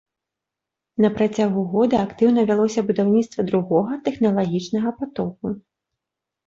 На працягу года актыўна вялося будаўніцтва другога тэхналагічнага патоку.